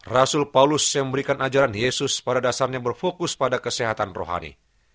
rasul paulus yang memberikan ajaran yesus pada dasarnya berfokus pada kesehatan rohani